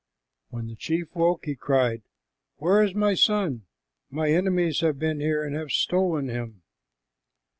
When the chief woke, he cried, "Where is my son? My enemies have been here and have stolen him."